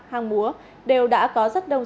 hàng múa đều đã có rất đông